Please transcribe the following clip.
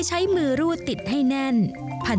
คอยใช้มือรูดติดให้แน่นพันจนสุดขนาดความยาวของตัวเข็ม